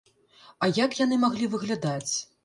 А як яны маглі выглядаць?